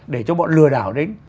để cho bọn lừa đảo đến